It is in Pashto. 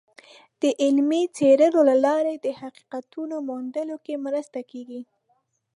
د علمي څیړنو له لارې د حقیقتونو موندلو کې مرسته کیږي.